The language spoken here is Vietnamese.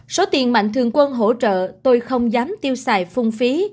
số tiền mạnh thường quân hỗ trợ tôi không dám tiêu xài phung phí